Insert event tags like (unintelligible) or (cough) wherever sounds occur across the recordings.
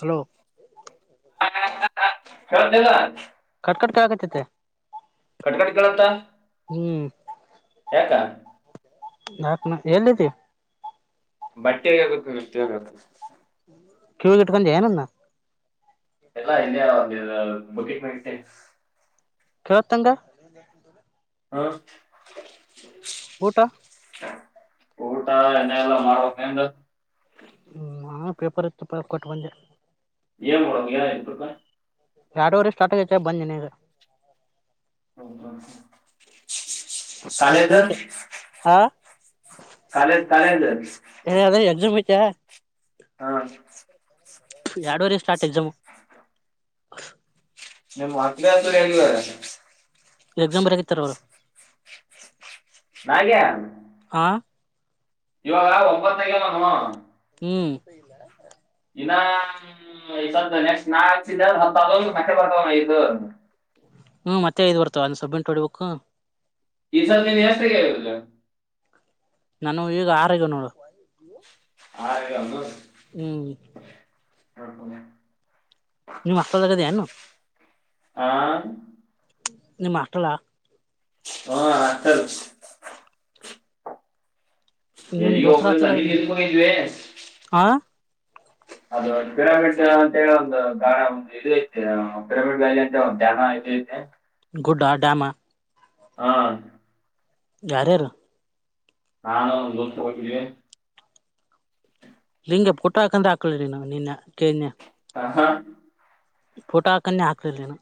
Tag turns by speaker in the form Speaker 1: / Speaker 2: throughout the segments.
Speaker 1: Hello
Speaker 2: ಕವ ಇಿಲ್ಲ
Speaker 1: ಕಟ್ಕ ಆಗತ್ತತೆ
Speaker 2: ಕಟ್ಕಟ್ ಕಂತ
Speaker 1: ಹ್ಮ್
Speaker 2: ಹಕ್ಕ
Speaker 1: ನಾಕ್ ನ ಎಲ್ಲಿದ್ದೀ
Speaker 2: ಬಟ್ಟೆ ಆಗುತ್ತೆ ಬಟ್ಟೆಗಬೇಕ
Speaker 1: ಕೆಿವಗಟಕೊಂಡ ಜನೆಾ
Speaker 2: ಎಲ್ಲಾ ಇಯ ಒಂದ ಬಕಿಟ್ ಮಟ್ಟ
Speaker 1: ಕೆವತ್ತಂಗ
Speaker 2: ಹಾ
Speaker 1: ಊಟಾ
Speaker 2: ಊಟಾ ಎ ಎಲ್ಲ ಮಾಡಾರ ಕೇ ನ
Speaker 1: ನ ಪೇಪರ್ ಎತ್ತು ಕೊಟ್ಟ ಬಂದ
Speaker 2: ಏ ಮಡಂಗ ಏನ ಇರುತ
Speaker 1: ಎರಡುವರೆ ಸ್ಟಾರ್ಟ್ ಆಗೈತೆ ಬಂದನಗ
Speaker 2: ಹೌ ಹ
Speaker 1: ಅತ್ತುಮಷ ಹಾ
Speaker 2: ಕಾಲೆ ಕಾಲೇದರ್
Speaker 1: ಕ
Speaker 2: ಹಾ
Speaker 1: ಎರಡುವರೆ ಸ್ಟಾರ್ಟ್ ಎಕ್ಸಾಮ್
Speaker 2: ನಲ ತ ರೆಂಗಾರ
Speaker 1: ಎಕ್ಸಾಮ್ ಬರಕಿತ್ತಾರ ಅವರು
Speaker 2: ನಾಗ್ಯ
Speaker 1: ಹ
Speaker 2: ಇವಾಗ ಒಂಬತ್ತಕ ಹ
Speaker 1: ಹ್ಮ್
Speaker 2: ಇನ್ನ ನೆಕ್ಸ್ಟ್ ನಾ ಹತ್ತ ಮಟ್ಟೆ ಬರ್ತ ಇದು
Speaker 1: ಹ್ಮ್ ಮತ್ತೆ ಇ್ ಬರ್ತವ ಅಂದ ಸೊಬ್ಬಿಂಟ್ ಹೊಡಿಬೇಕಕ್ು
Speaker 2: ಈ ಚಲ್ನ್ ಹೆಸ್ತಲ್ಲ
Speaker 1: ನಾನು ಈಗ ಆರೋಗ್ಯ ನೋಡು
Speaker 2: (unintelligible)
Speaker 1: ಹ್ಮ
Speaker 2: (unintelligible)
Speaker 1: ನೀವು್ ಅಷ್ಟಲ್ಲಗದ ಏನು
Speaker 2: ಹಾ
Speaker 1: ನೀಮ್ ಹಾಸ್ಟೆಲ್ ಅಹಾ
Speaker 2: ಹ ಹಾಸ್ಟೆಲ್
Speaker 1: ನಿಮ್
Speaker 2: ಎಲ್ಲಿಗೆ
Speaker 1: ದೊಸರ
Speaker 2: ಹೋಗ್ಲಿಲ್ಲ ನೀನ್
Speaker 1: ಹಾಸ್ಟೆಲ್
Speaker 2: ಎಲ್ಲಿಗೆ ಹೋಗಿದ್ವಿ ಅದು ಪಿರಾಮಿಡ್ ಅಂತ ಹೇಳಿ ಒಂದು ಗಾಣ ಒಂದು ಇದು ಐತೇ ಐತೆ ಪಿರಾಮಿಡ್ ವ್ಯಾಲಿ ಅಂತ ಒ ಧ್ಯಾನ ಇದು ಐತೆ
Speaker 1: ಗುಡ್ಡಾಡಾಮಾ
Speaker 2: ಹಾ
Speaker 1: ಯಾರಾರು
Speaker 2: ಹಾ ನಾ ದ
Speaker 1: ಲಿಂಗಗೆ ಪುಟ ಹಾಕಂದ್ರೆ ಹಾಕಳಿ ನ ನಿನ್ನೆ ಕೇನ್ಯ
Speaker 2: ಹ ಹಾ
Speaker 1: ಫೋಟೋ ಹಕನ್ನೇ ಹಾಕಲರ್ಲಿನ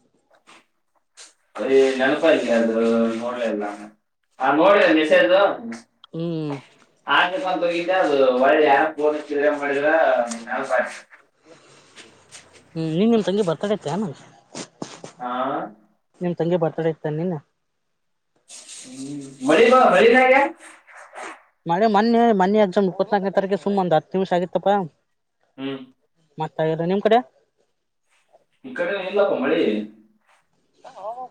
Speaker 2: ಅದೇ ನೆನಪ ಆಯ್ತು ಅದು ನೋಡ್ವೆಲ್ಲ ನೋಡ್ದೆ ನಿಷ ಇದು
Speaker 1: ಹ್ಮ್
Speaker 2: ಅದು ಒಳ್ಳೆ ಯಾರ ಹೋ ಮಾಡಿರ ನೆನಪಾಯ್ತು
Speaker 1: ಹ್ಮ್ ನೀನ್ ನಿಮ ತಂಗಿ ಬರ್ತಾಡತೆ ಇತ್ತ ಏನ
Speaker 2: ಹಾ
Speaker 1: ತಂಗೆ ಬರ್ತಾಡೆ ಇರ್ತಾನೆ ನಿನ್ನೆ
Speaker 2: (unintelligible)
Speaker 1: ಅೇ ಮೊನ್ನೆ ಮನ್ನೆ ಎಕ್ಸಾಮ್ ಇಪ್ಪತ್ನಾಲ್ಕನೇ ತಾರೀಕು ಸುಮ್ಮ್ ಒಂದು್ ಹತ್ತು ನಿಮಿಷ ಆಗಿತ್ತಪ್ಪಾ
Speaker 2: ಹ್ಮ್
Speaker 1: ಮತ್ತ ಇದ ನಿಮ್ ಕಡೆ
Speaker 2: ಈ ಕಡೆ ಇಲ್ಲಪ್ಪ ಮಳಿ
Speaker 1: (inaudible)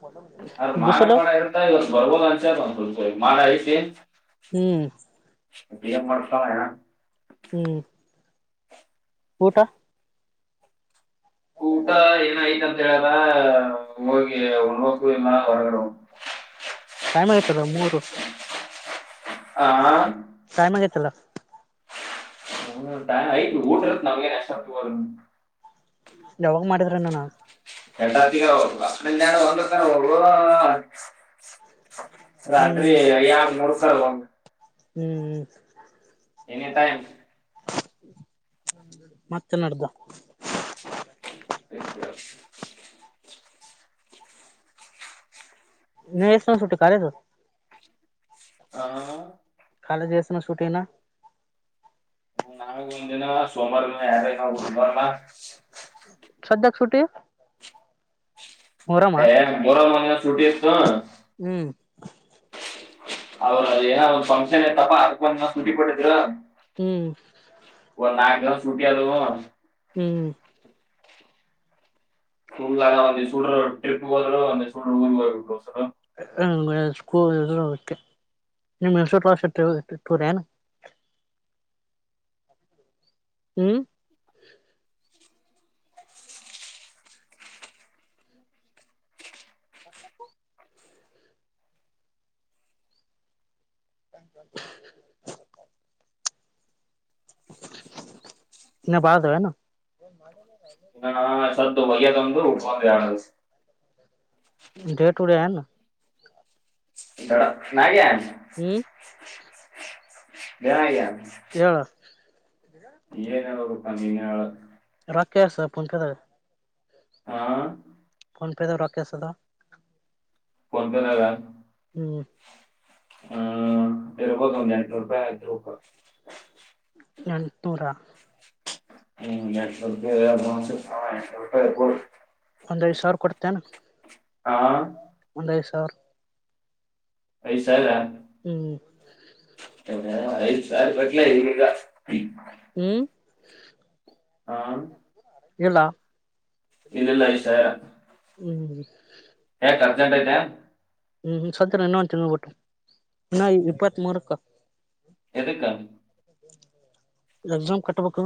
Speaker 2: ಅ್ರ ಮಾನ
Speaker 1: ಬಿಸಿಲು
Speaker 2: ಪಾಣ ಇರ್ತ ಇವ್ ಬರ್ಬೋದು ಅಂಚ ಒಂದ್ಡ್ ಮಾನ ಐತಿ
Speaker 1: ಹ್ಮ್
Speaker 2: ಏನ್ ಮಾಡ್ತಾವ ಏನ
Speaker 1: ಹ್ಮ್ ಊಟ
Speaker 2: ಊಟ ಏನಾಯ್ತ ಹೋಗಿ (unintelligible)
Speaker 1: ಟೈಮ್ ಆಯತಲ್ಲ ಮೂರು
Speaker 2: ಹಾ
Speaker 1: ಚನ್ನಾಗತ್ತಲ್ಲ
Speaker 2: ಹ ಟೈಮ್ ಆಯ್ತು ಊಟ್ರತ್ ನಮ್ಗೆ ಏನ್ ಹಸ್ವಾಗ್ತಿಲ್ಲ
Speaker 1: ಯಾವಾಗ ಮಾಡಿದ್ರಣ
Speaker 2: (unintelligible) ರಾತ್ರಿ ಯಾರ ಮೂರು ಸಾವರ್ ಹಂಗ
Speaker 1: ಹ್ಮ್ ಹ್ಮ್
Speaker 2: ಎನಿಟೈಮ್
Speaker 1: (unintelligible) ಮತ್ತೆ ನಡೆದ
Speaker 2: (unintelligible)
Speaker 1: ನೀ ಎಷ್ಟೊತ್ತಿಗೆ ಬಿಟ್ಟ ಕಾಲೇಜು
Speaker 2: ಹಾ
Speaker 1: ಕಾಲೇಜು ಎಸ್ನ ಶೂಟಿಂಗ್ನ
Speaker 2: ಇ ನಾವ ಒಂದಿನ ಸೋಮವಾರ ಯಾರಿನ ಊರಿಗ್ಬರ್ನಾ
Speaker 1: ಸದ್ಯಕ್ಕೆ
Speaker 2: ಏ ಬರ ಮನೆೆ ಸುಟ್ಟಿತ್ತು
Speaker 1: ಹ್ಮ್
Speaker 2: ಅವ್ರ ಅದ ಏನ ಒಂದ್ ಫಂಕ್ಷನ್ ಇಐತ್ತಪ್ಪಾ ಅದ್ ಬಂದ ಸುಧಿ ಕೊಟ್ಟಿದೀರ
Speaker 1: ಹ್ಮ್
Speaker 2: ನಾಕ ಸುಟ್ಟಿಯಾದ
Speaker 1: ಹ್ಮ್
Speaker 2: ತುಂಗ್ ಸೂಡ್ರ ಟ್ರಿಪ್ ಹೋದ್ರುಂದ ಸೂಡ್ರ ಊರಿಗೆ (unintelligible)
Speaker 1: ಹ್ಮ ಸ್ಕೂಲು ಮತ್ತೆ (unintelligible) ನೀ ಮಸ (unintelligible) ಏನ್ ಹ್ಮ್ (inaudible) ಇನ್ನ ಬಾಲದವೇನು
Speaker 2: ಹಾ (unintelligible)
Speaker 1: ಡೇ ಟು ಡೇ ಅನ್ನು
Speaker 2: ನಾಗ್ಯ
Speaker 1: ಹ್ಮ್
Speaker 2: ಜನ (unintelligible)
Speaker 1: ಹೇಳ
Speaker 2: ಏನಾಲನಪ ನೀಹೇಳ
Speaker 1: ರಾಕೇಶಪುಂಕದ
Speaker 2: ಹಾ
Speaker 1: ಫೋನ್ಪೆನಾಗ ರೊಕ್ಕೆಸದ
Speaker 2: ಫೋನ್ಪೆನಾಗ
Speaker 1: ಹ್ಮ್
Speaker 2: ಹ್ಮ ಬೇರೆ ಹೋದು ಒಂದ್ ಎಂಟನೂರು ರೂಪಾಯಿ ಆಯ್ತ ರೊಕ್ಕ
Speaker 1: ಎಂಟ್ನೂರ
Speaker 2: ಹ್ಮ ರೆಂಟ್ನೂರು (unintelligible) ಸಮತ
Speaker 1: ಒಂದ್ ಐದು ಸಾವಿರ ಕೊಡ್ತೇನ
Speaker 2: ಹಾ
Speaker 1: ಐದ್ಸಾವ್ರ
Speaker 2: ಐದು ಸಾವಿರ
Speaker 1: ಹ್ಮ್
Speaker 2: ಹ ಐದ ಸಲ್ ಬಟ್ಲ ಈಗ
Speaker 1: ಹ್ಮ್
Speaker 2: ಹಾ
Speaker 1: ಇಲ್ಲ
Speaker 2: ಇಲ್ಲಿಲ್ಲ ಐದ್ಸಾವ್ರ
Speaker 1: ಹ್ಮ್
Speaker 2: ಅರ್ಜೆಂಟ್ ಐತಾ
Speaker 1: ಹ್ಮ್ ಸದ ಇನ್ನೊಂದು ತಿಂಗಳು ಬಿಟ್ಟು ಇನ್ನ ಇಪ್ಪತ್ತ್ ಮೂರುಕ್ಕ
Speaker 2: ಎದಕ್ಕಾ
Speaker 1: ಎಕ್ಸಾಮ್ ಕಟ್ಟಬೇಕಕ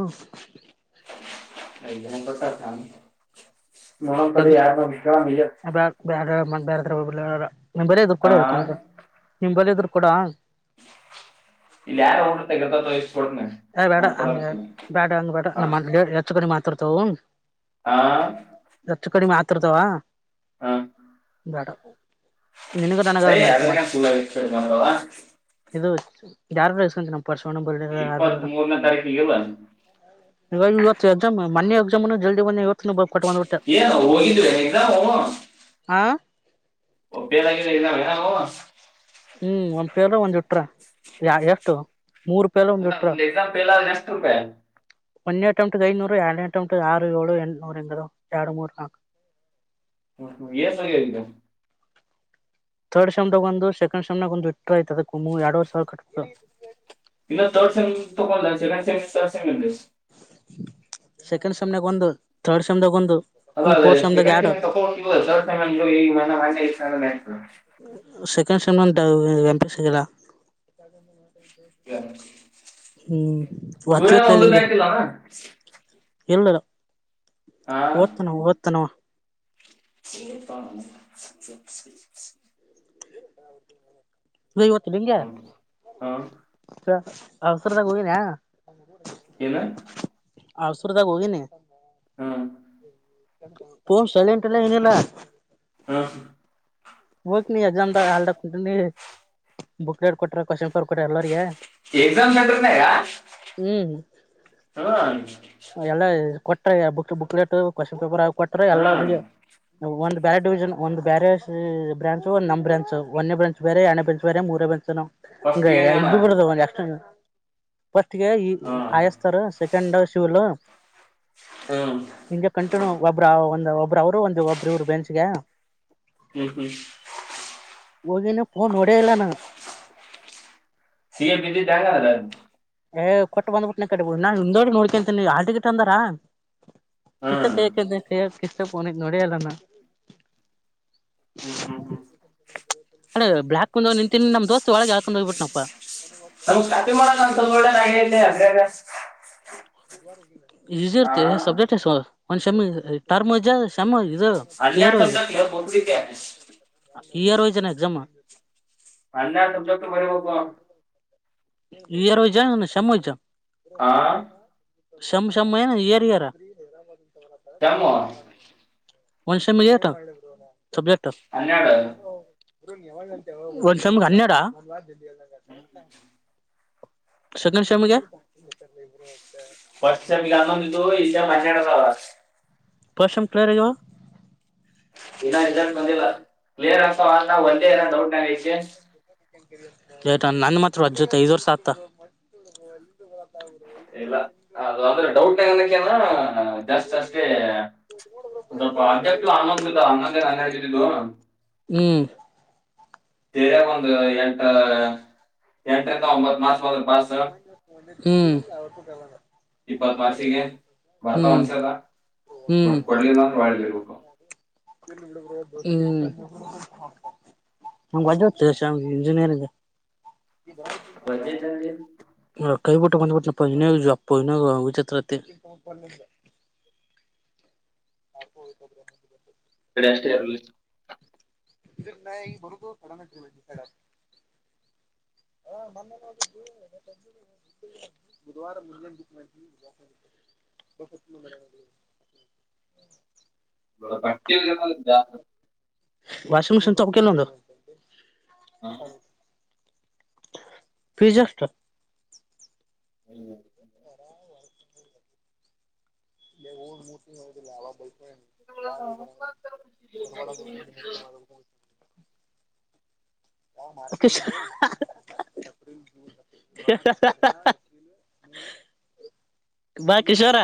Speaker 2: (unintelligible) ನೋಡಂಥಡಿ ಯಾರ್ನ್ರ ಕೇಳನ ಇಯತ್ತ್
Speaker 1: ಬ ನಿಂಬಳ ಇದದು್ರ
Speaker 2: ಹಾ
Speaker 1: ಕಡಬೇಕಂದ್ರೆ ನಿಂಬಳ ಇದದು್ರ ಕೂಡ (unintelligible)
Speaker 2: ಇಲ್ಲಿ ಯಾರು ಹೋಡ ತೆಗರ್ತತ
Speaker 1: ಯ ಬೇಡ ಹಂಗ ಬೇಡ ಹಂಗ ಬೇಡ
Speaker 2: ಹಾ
Speaker 1: ನಮ್ಮ ಎಚ್ಚಕನಿ ಮಾತ್ರಾರ್ತಾವ
Speaker 2: ಹಾ
Speaker 1: ಹತ್ರದವಾ (unintelligible) ಡ
Speaker 2: ಸ ಅದೇಕ ಪೂಲ ಇ ಬಂದ (unintelligible)
Speaker 1: ಇದು ಯಾರು ನ ಪರ್ಸ ತ್ತ (unintelligible)
Speaker 2: ಇಪ್ಪತ್ತ್ ಮೂರನೇ ತಾರೀಕಿಗೆ ಇಲ್ಲ
Speaker 1: (unintelligible) ಮನ್ಯ ಎಾಮ ಜಲ್ದಂದವ (unintelligible)
Speaker 2: ಏನ್ ಹೋಗಿದ್ವಿ ಹಗ ನಾ ಹ
Speaker 1: ಆ
Speaker 2: ಓ ಬೇದಾಗಿ ಜ ನ ಭ (unintelligible)
Speaker 1: ಹ್ಮ್ ಒಂದ್ ಪೇರ್ ಒಂದ್ುಟ್ರ ಯ ಎಷ್ಟು ಮೂರ್ ಪೇಲ ಒಂದ್
Speaker 2: ಅಲ್ಲ
Speaker 1: ಇಟ್ರ
Speaker 2: ಒಂದು್ ಎಕ್ಸಾಮ್ ಪಲ್ಲ ನೆಷ್ಟಪ
Speaker 1: ಒಂದೇ ಅಟೌಂ್ಟಟ್ ಐದುನೂರು ಎರನೇ ಅಟೆಂಟ್ ಆರು ಏಳು ಎಂಟ್ನೂರುಂಗರು ಎರಡು ಮೂರ್ ನಾಕು
Speaker 2: ಹ್ಮ್ಮ ಏನ್ ಸರಿ ಇಲ್ಲ
Speaker 1: ಥರ್ಡ್ ಶೆಮ್ದಾಗ ಒಂದು ಸೆಕೆಂಡ್ ಶೆಮನಾಗ ಒಂದು ಇಟ್ಟ್ರ ಐತ ಅದ ಎರಡ್ವರ್ ಸಾವರ ಕಟ್ಟು
Speaker 2: ಇನ್ನ ತರ್ಡ್ ಸೆಮ್ ತಗೊಂಡ ಸೆಕ್ಡ್ ಸ (unintelligible)
Speaker 1: ಸೆಕೆಂಡ್ ಸಮ್ನೆ ಒಂದು ಥರ್ಡ್ ಸಮನೆ ಒಂದು
Speaker 2: ಅಲ್ಲ
Speaker 1: ಈ
Speaker 2: ಅ
Speaker 1: ಫೋರ್ತ್ ಸೆಮ್ದಾಗ
Speaker 2: ಸೆಕಂಡ್
Speaker 1: ಎರಡು
Speaker 2: ಟ ತ (unintelligible)
Speaker 1: ಸೆಕೆಂಡ್ ಸೆಮ್ಂತ ಎಂಪೆ ಸಿಗಲ್ಲ
Speaker 2: ಯ (unintelligible)
Speaker 1: ಹ್ಮ್
Speaker 2: ಸೂರ್ಯ ಒಂದು ಬ ಆತಿಲ್ಲಣ
Speaker 1: ಹೇಳಳ್ಳಿಲ್ಲ ಓದ್ತನ ಓದ್ತನವ
Speaker 2: ಇ (unintelligible)
Speaker 1: ನೀ ಹೊತ್ತು ಬಗೆಾರ
Speaker 2: ಹ್ಮ್. ಹ್ಮ್.
Speaker 1: ಅಫಸರದಗ ನ (unintelligible)
Speaker 2: ಇನ್ನು
Speaker 1: ಅಸರದಾಗ ಹೋಗಿನೆ ಶಳೆಂಟಲ್ಲ ಏನಿಲ್ಲ
Speaker 2: ಹ್ಮ
Speaker 1: ಹೋಗ ನೀ ಅಜಂದ ಹಲ್ದ ಕುಂಟ ಬುಕ್ ಹೇಡ್ ಕೊಟ್ರ ಕ್ವಶನ್ ಪೇಪರ್ ಕೊಟ್ರ ಎಲ್ಲರಿಗೆಗೆ
Speaker 2: ಎಕ್ಸಾಮ್ ನಂದ್ರನ ಹ
Speaker 1: ಎಲ್ಲಾ ಕೊಟ್ರ ಬುಕ್ ಬುಕ್ಲೇಟ್ ಕ್ವಶನ್ ಪೇಪರ್ ಆಿ ಕೊಟ್ಟ್ರ
Speaker 2: ಹ್ಮ್
Speaker 1: ಎಲ್ಲಿಗೆ ಒಂದ್ ಬೇರೆ ಡಿವಿಜನ್ ಒಂದ ಬೇರೆ ಬ್ರಾಂಚ್ ಒಂದ ನಮ ಬ್ರಾಂಚ್ ಒಂದೇ ಬ್ರಾಂಚ್ ಬೇರೆ ಎರಡೇ ಬ್ರಾಂಚ್ ಬೇರೆ ಮೂರೇ ಬ್ರಾಂಚ್ ಹಂಗ
Speaker 2: ಫಸ್ಟಿಗೆ
Speaker 1: ಇಬ್ಬ
Speaker 2: ನಾನು
Speaker 1: ಬಿಡದ ಎಷ್ಟ ಫಸ್ಟ್ಗೆ
Speaker 2: ಹ್ಮ್
Speaker 1: ಆಯಸ್ತರ್ ಸೆಕೆಂಡ್ ಶಿವಲ್
Speaker 2: ಹ್ಮ್
Speaker 1: ನಿಜ ಕಂಟಿನ್ಯೂ ಒಬರ ಒಂದು ಒಬ್ರು ಅವರು ಒಂದು ಒಬ್ರ ಇರು ಬೆನ್ಸಿಗೆ
Speaker 2: ಹ್ಮ್ ಹ್ಮ್
Speaker 1: ಹೋಗಿನ ಫೋನ್ ಹೊಡ ಇಲ್ಲ ನ
Speaker 2: ಸಿ ಎ ಬಿಿದ್ದಿ ಾಗ (unintelligible)
Speaker 1: ಏ್ ಕೊಟ್ಟ ಬ್ಬಿಟ್ಟನ ಕಟ್ಟಬುದು ನಾನ್ ಹಂದೋಡಿ ನೋಡ್ಕಂತೀನಿ ಆಾ ಟಗಟ್ ಅಂದಾರಾ ಕಿಸ್ತಕ್
Speaker 2: ಹ್ಮ್
Speaker 1: ಕೈಯ್ಯ ಕಯ್ಯಕ್ ಕಿಸತಕ್ ಅವನಿಗೆ ನೋಡಲ್ಲಮ್ಮ
Speaker 2: ಹ್ಮ್ ಹ್ಮ್ ಹ್ಮ್ (unintelligible)
Speaker 1: ಅೇ ಬ್ಲ್ಾ ಕುಂದೋಗ್ ನಿಂತಿ ನಮ್ ದಸ್ತ್ ಒಳಗೆ ಹಳ್ಕೊಂಡ್ ಹೋಗ್ಬ ಬಿಟ್ಟನಪ್ಪ
Speaker 2: ನಮ್ಗ್ ಸ್ಾಪಿ ಮಾಡಲ್ಲ ನಸಲ್ ಒಳ್ಳೆ ರಾಗದೆ ಅದ್ರಾಗ (unintelligible)
Speaker 1: ಈಸಿ
Speaker 2: ಹಾ
Speaker 1: ಇರ್ತ ಸಬ್ಜಕ್ಟ್ ಒ ಶ ಟರ್ಮ (unintelligible)
Speaker 2: ಅಲ್ಲಯಟಟ ಬೋಗಿದ್ದ
Speaker 1: ಇಯರ್ಸ ಎಸಾಮ
Speaker 2: ಅಲ್ಲ ಸಬ್ಜೆಕ್ಟ್ ಬರ ಹೋಗೋಗ
Speaker 1: ಎಾರವ ಜಾವ ಶಾಮ ಜ
Speaker 2: ಹಾ
Speaker 1: ಸಮಮ ಶಮ ನ ಎಾರ ಎಾರ
Speaker 2: ಜಾಮ
Speaker 1: ಒನ್ಶ ಮತ ಸಬ್ಜೆಕ್
Speaker 2: ಹನ್ನೆರಡು
Speaker 1: ಒಂದ್ ಸಮಮಗ್ ಹನ್ನಡ ಸಕಂಡ್ ಶಮ್ಗೆ
Speaker 2: ಫಸ್ಟ್ ಟೈಮ್ಗ ಅನ್ನೊಂದು ಇದು ಇಲ್ಲಿ ಮನ್ಡ ಸ
Speaker 1: ಪಶಂ ಕ್ಲರುವ (inaudible)
Speaker 2: ದ ಕ್ಲಿಯರ್ ಆ ಒಂದೇ ಏಲ್ಲ ಡೌಟ್ ಆ
Speaker 1: ಟ ನನ್ ಮಾತ್ರ ಅ್ ಜೊತೆ ಇದುವರ್ಷ ಆತ
Speaker 2: ಇಲ್ಲ ಅ ಅ್ರ ಡೌಟ್ ಆಗಕ್ಕೆ ಜಾಸ್ತಿ ಜಾಸ್ತಿ ಅಂತ ಆನ್ನಂದ ಆಂದ ನ ದ (inaudible)
Speaker 1: ಹ್ಮ
Speaker 2: ಸರಿಯಾಗೆ ಒಂದು ಎಂಟ ಎಂಟರಿಂದ ಒಂಬತ್ ಮಾಸವ
Speaker 1: ಲ್ಲ
Speaker 2: ಇಪ್ಪತ್ ವಾರ್ಷಿಗೆ ಬರ್ತಾ ಅನ್ಸದ ಕೊಡ್ಳಕ್ಕ
Speaker 1: ಇಲ್ಲಿ ಬಿಡುಬದು ಹ್ಮ್ ನಮ್ ಅಜತ್ತುರ್ಷಮ್ ಇಂಜಿನಿಯರಿಂಗ್ ಈ ದರಂತ ಈಗ ವಾರ
Speaker 2: (unintelligible)
Speaker 1: ಕೈ ಬಊಟ್ಟು ಬಂದಬಟ್ಟ ಪ ಇ ವಿಚತ್ರ ಹ
Speaker 2: ಕಡೆ ಅಷ್ಟೇ
Speaker 1: ಇದ್ರ ನ ಈಗ ಬರುದು ಕಡನ್ ಸಡ ಹಾ ಮೊನ್ನಿದ್ದು ಬುಧವಾರ ಮು ಬ ಮಾಡವಿ ಬ
Speaker 2: ನ ಪಟ್ಟಿ
Speaker 1: ವಾಷಿಂಗ ಮಷನ್ ತಪ್ಪಕಲ್ಲ ಒಂದು
Speaker 2: ಜಾಸ್ತಿ.
Speaker 1: ಪಿಜಾಷ್ಟ
Speaker 2: ಹ್ಮ
Speaker 1: ಇಲ್ಲ ಹ ಮೂರ್ ತಿ ಯಾವ ಬ ಬಾಂಗುಳಳಂದ ಹೃಷ ಹ ಬಾಕಶೋರ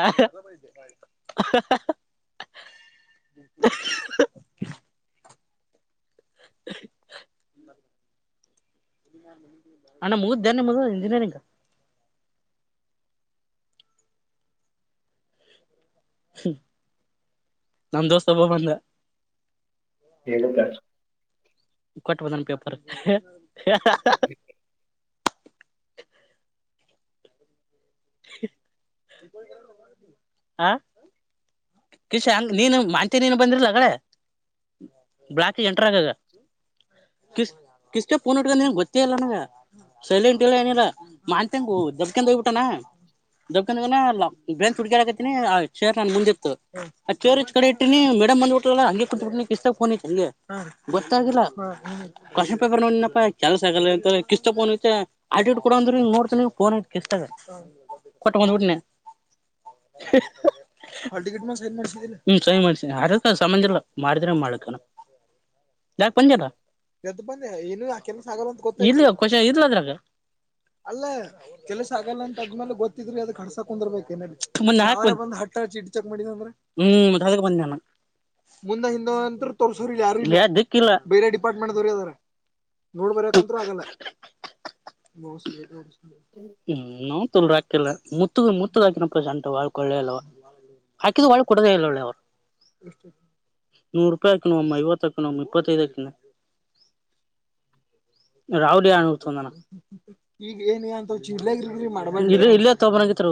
Speaker 1: (unintelligible) (unintelligible) ಅಣ್ಣ ಮುಗ ಧಾನಯ ಮದ ಇಂಜಿನಿಯರಿಂಗ್ ನಮ ದೋಸ್ ಒಬ್ಬ ಬಂದ
Speaker 2: ಹೇಳದ
Speaker 1: ಕಟ್ಟುವಧನ ಪೇಪರ್ ಆಾ ಕಶ ಹಂಗ ನೀನು ಮಾಂತ ನೀನು ಬಂದಿರ್ಲ ಅಡೆ ಬ್ಳಾಕ್ ಎಂಟರಗಾಗ ಕ ಕಿಸ ಪೂನಟ್ಕೊಂಡಂಗೆ ಗೊತ್ತೇ ಇಲ್ಲ ನ ಸಲಿ ಉಂಟಿಲ್ಲ ಏನಿಲ್ಲ ಮಾನ್ಂತಂಗು ದಬ್ಬಕಂದ ಹೋಗ್ಬಿಟ್ಟಾನ ದಬ್ಕಂದನ ಬಂಚ್ ಹುಡ್ಗಡ್ ಹಕತ್ತಿನಿ ಆ ಚೇರ್ ನಾನನ್ ಮುಂದಿತ್ತು ಆ ಚೇರ್ ಕಡೆ ಇಟ್ಟೀಿನಿ ಮೇಡಮ್ ಬಂದಬಟಲ್ಲ ಹಂ ಕುೋಂಗೆ ಗೊತ್ತಲ್ಲ ಕ್ನ್ ಪೇಪರ್ ಏನಪ್ಪಾ ಕೆಲ್ಸ ಆಗಲ್ಲ ಅಂತ ಕಿಿಸ್ ಫೋನ್ ಐ ಆಟಡ್ ಕೊಡ ಅಂದ್ರೆ ನೋಡ್ತ ಫೋನ್ ಐ ಕಿಸ್ ಆಗ ಕೊಟ್ಟ ಬಂದ ಬಿಟ್ಟನ ್ಮ ಸ ಮಾಡ್ಿ ಅದಕ್ಕ ಸಂಬಂಧಿಲ್ಲ ಮಾಡಿದ್ರೆ ಮಾಡ್ಕಾನ ಯಾಾಗ ಪಂಜಾರ ಎದ ಬಂದೆ ಏನು ಕೆಲಸ ಆಗಲ್ಲ ಅಂತ ಗೊ ಇಲ್ಷ ಇಲ್ದ್ರಾಗ ಅಲ್ಲ ಕೆಲ್ಸ ಆಗಲ್ಲ ಅಂತ ಆದ್ಮೇಲೆ ಗತ್ತಿದ್ರ ಅದ ಕಡ್ಸಕ ಕುಂದರ್ ಹ ಚಿ ಚಕ್ ಮಾಡ ಅಂದ್ರ ಹ್ಮ ಬ ಮುಂದ ಹಿಂದ ನಂತರು ತೋರ್ಸೋ್ರಿಲ್ಲ ಯಾರು ಬೇರೆ ಡಿಪಾರ್ಟ್ಮೆಂಟ್ ದವ್ರ ಅದಾರ ನೋಡ್ಬರಕತ್ ಆಗಲ್ಲ ಹ್ಮ್ ನಾ ತುಲ್ ಹಾಕಿಲ್ಲ ಮುತ್ತಗ ಮುತ್ತ ಹಾಕಿನ ಪಂಟಾಳ್ಕೊಳ್ಳೇ ಅಲ್ವ ಹಾಕಿಿದ್ದ ಕಳ ಕುಡದ ಇಲ್ಲಳ್ಳ ಅವ ನೂರು ರೂಪಾಯಿ ಹಾಕಣ ಅಮ್ಮ ಐವತ್ತಾಕಣಮ್ಮ ಇಪ್ಪತ್ತೈದಾಕಣ ರಾಾವಡಿ ಅತ ನಗ ಇ ಇಲ್ಲೇ ತಗಬರಂಗಡಿ ಇಲ್ಲೇ ತಗೊರಂಗತ್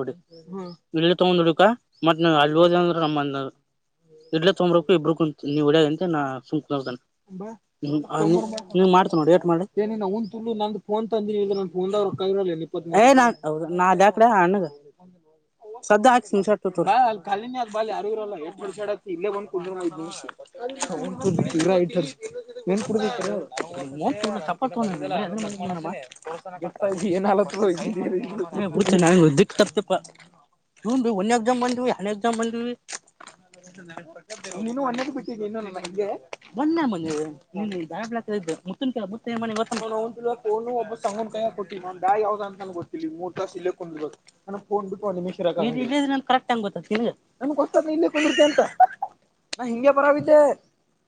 Speaker 1: ನೋಡಿ ಇಲ್ಲಿ ತಗೊೊಂಡ್ ಹುಡುಕ ಮ ಹ ದಂದ್ರೆ ನಮ್ಮ ಅಂದರು ಇಡ್ಲೆ ತೊಂಬ್ರಕ್ಕು ಇಬರುೂಂತ ನೀವ್ ಒಡಾಗಂತೆ ನಾ ಸುಂಕತ ಮಾಡ್ತ ನೋಡಿ ಮಾಡಿ ಒಂದ ತು ನ ೋನ್ ತಂದಂದ ಅವರು ಏ ನಾನ್ ನಾ ಅದ ಕಡೆ ಅಣ್ಣಗ ಸದ್ಯ ಆಾಕ್ತ ಮುಸ ಆತ ಖಾಲಿನಿ ಅ್ ಬಿ ಯಾರೂ ಇರಲ್ಲ ಮಸಾ ಆಡತಿ ಇಲ್ಲೇ ಬಂದ ಕು ಉಂಟು ತೀವ್ರ ಆಯ್ತರಿ ಏನ್ ಕುಡಬೇಕ ಪ್ರ ಅನ್ನಾಲ ನಾನ ತಪ ಹ ಭ ಎಾಮ ಬಂದ ಆ ಎಕ್ ಬಂದವಿ ನೀನು ಒಂದೇದ ಬಿಟ್ಟಿದ್ದ ಇನ್ನು ನಿ ಹಂಗೆ ಮೊ ಮಂದ ದಳ ಮುತ್ತನ್ ಕೆಲ ಮುತ್ತ ಕೊಟ್ಟ ನಾ ಯಾವ್ದದ ಅಂತ ನ ಗೊತ್ತಿಲ್ಲ ಮೂರ್್ಾಸ್ ಇಲ್ಲೇೊಂಡೊಂಡ್ುಿ ಗೊತ್ತ ನನ್ಗ್ ಹೊಸ ಇಲ್ಲೇ ಕುಿರ್ತ ಅಂತ ನಾ ಹಿಂಗೆ ಬರವಿದ್ದೆ